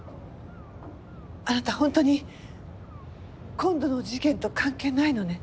あなた本当に今度の事件と関係ないのね？